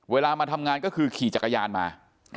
เวลามาทำงานก็คือขี่จักรยานมา